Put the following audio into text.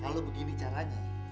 kalau begini caranya